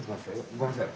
ごめんなさい。